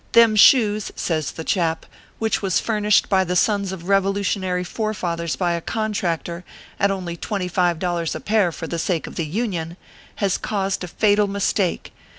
Them shoes," says the chap, " which was furnished by the sons of Revolu tionary forefathers by a contractor, at only twenty five dollars a pair for the sake of the Union, has caused a fatal mistake.